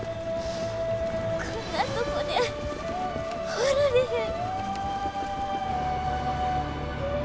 こんなとこで終わられへん。